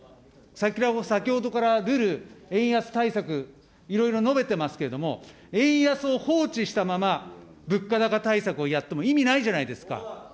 先ほどからるる、円安対策、いろいろ述べてますけれども、円安を放置したまま物価高対策をやっても意味ないじゃないですか。